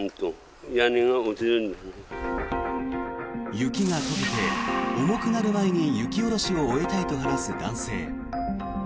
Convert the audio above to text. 雪が解けて重くなる前に雪下ろしを終えたいと話す男性。